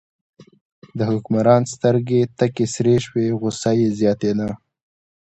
د حکمران سترګې تکې سرې شوې، غوسه یې زیاتېده.